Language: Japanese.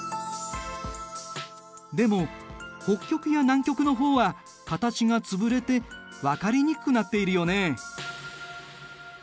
でも北極や南極の方は形が潰れて分かりにくくなっているよね。